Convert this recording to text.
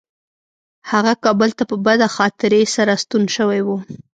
هغه کابل ته په بده خاطرې سره ستون شوی و.